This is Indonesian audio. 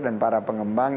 dan para pengembang